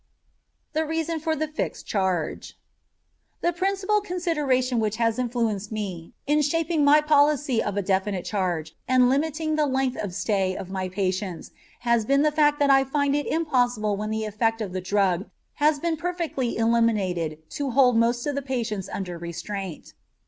THE REASON FOR THE FIXED CHARGE The principal consideration which has influenced me in shaping my policy of a definite charge and limiting the length of stay of my patients has been the fact that I find it impossible when the effect of the drug has been perfectly eliminated to hold most of the patients under restraint.